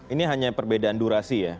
ini hanya perbedaan durasi ya